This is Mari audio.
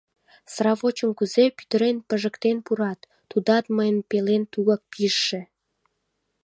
Сравочым кузе пӱтырен пижыктен пурат, тудат мыйын пелен тугак пижше!